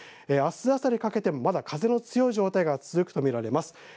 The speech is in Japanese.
あす朝にかけても風の強い状態が続くと見られます。